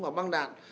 và băng đạn